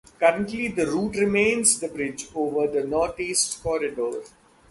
Currently, the route remains the bridge over the Northeast Corridor.